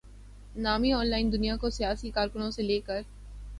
نامی online دنیا کو سیاسی کارکنوں سے لے کر